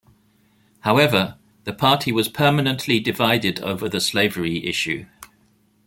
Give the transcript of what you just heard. However, the party was permanently divided over the slavery issue.